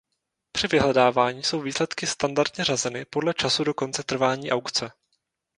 Při vyhledávání jsou výsledky standardně řazeny podle času do konce trvání aukce.